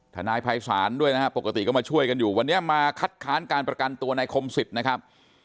ทนายภัยศาลด้วยนะครับปกติก็มาช่วยกันอยู่วันนี้มาคัดค้านการประกันตัวนายคมสิทธิ์นะครับ